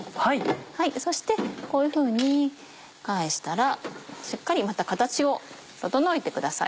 そしてこういうふうに返したらしっかりまた形を整えてください。